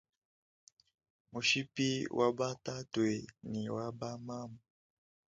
Mushipi wa ba tatue ne wa ba mamu.